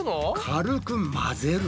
軽く混ぜる。